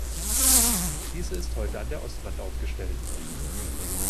Diese ist heute an der Ostwand aufgestellt.